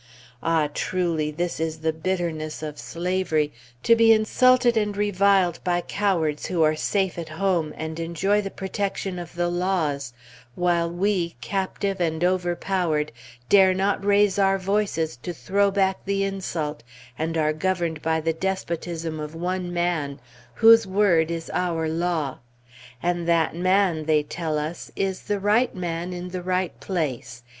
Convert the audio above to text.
Ah, truly! this is the bitterness of slavery, to be insulted and reviled by cowards who are safe at home and enjoy the protection of the laws, while we, captive and overpowered, dare not raise our voices to throw back the insult, and are governed by the despotism of one man, whose word is our law! And that man, they tell us, "is the right man in the right place.